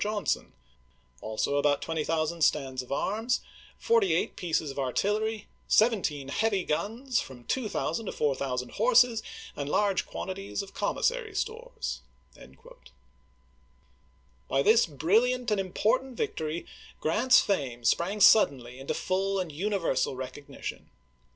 John son ; also about 20,000 stands of arms, forty eight toSueck pieces of artillery, seventeen heavy guns, from isI±\\\'r. 000 to 4000 horses, and large quantities of com ^p 'els"" missary stores." By this brilliant *nd important victory Grant's fame sprang suddenly into full and universal recog nition.